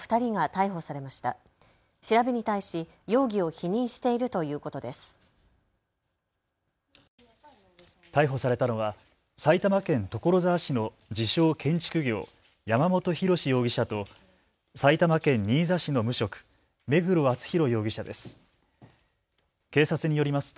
逮捕されたのは埼玉県所沢市の自称・建築業・山本宏志容疑者と埼玉県新座市の無職、目黒淳博容疑者です。